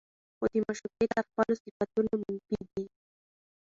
خو د معشوقې تر خپلو صفتونو منفي دي